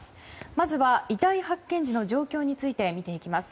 まずは遺体発見時の状況について見ていきます。